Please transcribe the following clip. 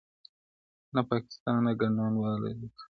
• نا پاکستانه کنډواله دي کړمه,